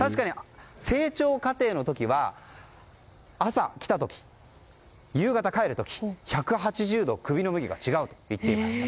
成長過程の時は朝来た時、夕方帰る時１８０度、首の向きが違うと言っていました。